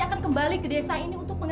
misalkan ini adalah minatmu